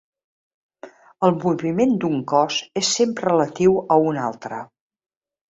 El moviment d'un cos és sempre relatiu a un altre.